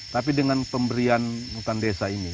tapi dengan pemberian hutan desa ini